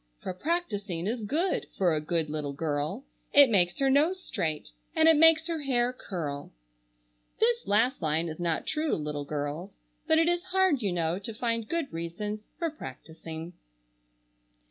For practising is good for a good little girl: It makes her nose straight and it makes her hair curl.[A] [Footnote A: This last line is not true, little girls; but it is hard, you know, to find good reasons for practising.